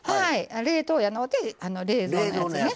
冷凍やのうて冷蔵のやつね。